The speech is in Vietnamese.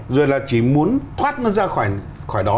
rồi là chỉ muốn thoát nó ra khỏi đó